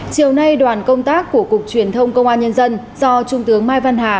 chiều nay đoàn công tác của cục truyền thông công an nhân dân do trung tướng mai văn hà